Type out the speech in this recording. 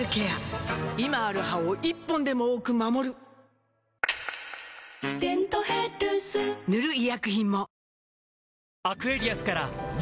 今ある歯を１本でも多く守る「デントヘルス」塗る医薬品も